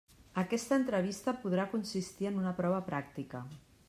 Aquesta entrevista podrà consistir en una prova pràctica.